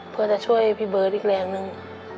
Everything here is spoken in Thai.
เพื่อจะช่วยพี่เบิร์ตอีกแรงนึง